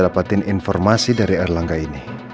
dapatin informasi dari erlangga ini